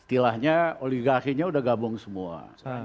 ya setilahnya oligarkinya udah gabung semua